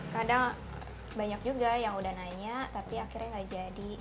kadang banyak juga yang udah nanya tapi akhirnya gak jadi